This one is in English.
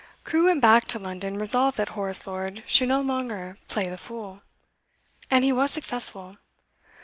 Crewe went back to London resolved that Horace Lord should no longer 'play the fool.' And he was successful.